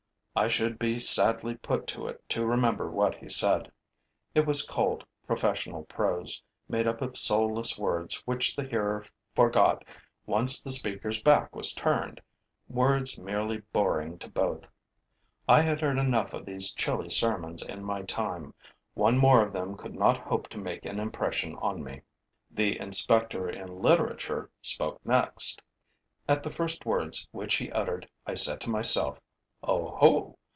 I should be sadly put to it to remember what he said. It was cold professional prose, made up of soulless words which the hearer forgot once the speaker's back was turned, words merely boring to both. I had heard enough of these chilly sermons in my time; one more of them could not hope to make an impression on me. The inspector in literature spoke next. At the first words which he uttered, I said to myself: 'Oho!